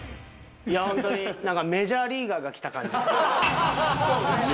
ホントにメジャーリーガーが来た感じですね。